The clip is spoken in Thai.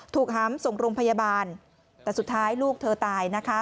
หามส่งโรงพยาบาลแต่สุดท้ายลูกเธอตายนะคะ